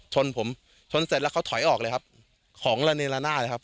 ชนผมชนเสร็จแล้วเขาถอยออกเลยครับของระเนละนาดเลยครับ